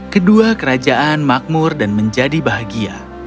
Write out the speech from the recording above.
kedua kerajaan makmur dan menjadi bahagia